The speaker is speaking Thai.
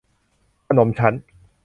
ขนมชั้น